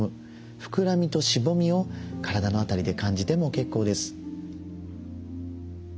膨らみとしぼみを体の辺りで感じても結構です。